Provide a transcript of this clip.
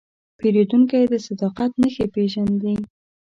پیرودونکی د صداقت نښې پېژني.